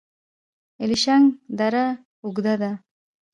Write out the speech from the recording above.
الیشنګ دره اوږده ده؟